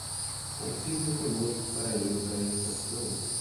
Confirme conosco para ir para a estação